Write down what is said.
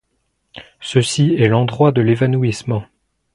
Ceci est l'endroit de l'évanouissement.